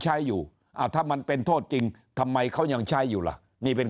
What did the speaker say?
ใช้อยู่อ่าถ้ามันเป็นโทษจริงทำไมเขายังใช้อยู่ล่ะนี่เป็น